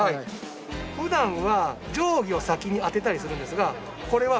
普段は定規を先に当てたりするんですがこれは。